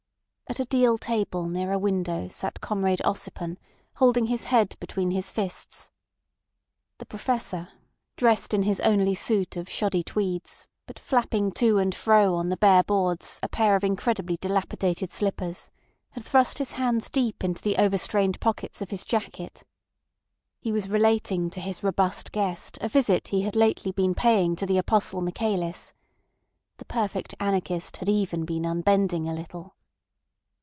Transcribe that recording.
At a deal table near a window sat Comrade Ossipon, holding his head between his fists. The Professor, dressed in his only suit of shoddy tweeds, but flapping to and fro on the bare boards a pair of incredibly dilapidated slippers, had thrust his hands deep into the overstrained pockets of his jacket. He was relating to his robust guest a visit he had lately been paying to the Apostle Michaelis. The Perfect Anarchist had even been unbending a little.